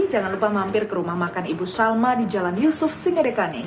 jangan lupa mampir ke rumah makan ibu salma di jalan yusuf singadekanik